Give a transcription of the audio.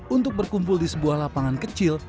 untuk berkumpul di sebuah lapangan kecil